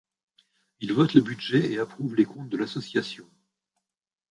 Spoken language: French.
Il vote le budget et approuve les comptes de l’association.